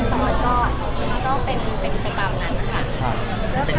มันก็เป็นใครเปล่าหนังนะคะ